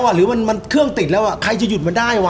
หรือมันเครื่องติดแล้วใครจะหยุดมันได้ว่